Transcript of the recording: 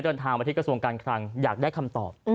เดินทางมาที่กระทรวงการคลังอยากได้คำตอบ